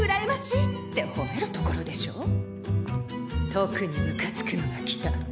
特にムカつくのが来た。